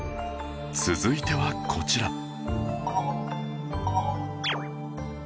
続いてはこちら